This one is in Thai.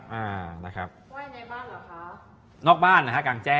เว้ยในบ้านเหรอคะ